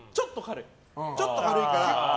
ちょっと軽いから。